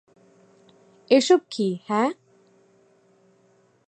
এসব কী, হ্যাঁ?